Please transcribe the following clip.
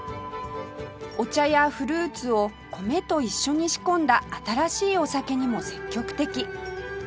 お茶やフルーツを米と一緒に仕込んだ新しいお酒にも積極的